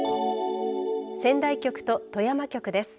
仙台局と富山局です。